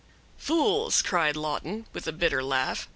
"Fools!" cried Lawton, with a bitter laugh.